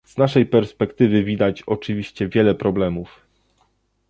Z naszej perspektywy widać oczywiście wiele problemów